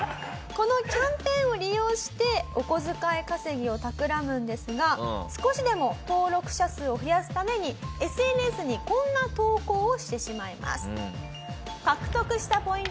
このキャンペーンを利用してお小遣い稼ぎをたくらむんですが少しでも登録者数を増やすためにＳＮＳにこんな投稿をしてしまいます。